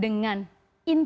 dengan jam terbang